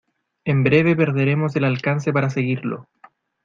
en breve perderemos el alcance para seguirlo.